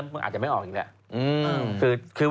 ปลาหมึกแท้เต่าทองอร่อยทั้งชนิดเส้นบดเต็มตัว